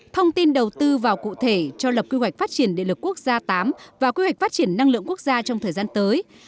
thông tin đầu tư vào cụ thể cho lập quy hoạch phát triển địa lực quốc gia viii và quy hoạch phát triển năng lượng quốc gia trong thời gian tới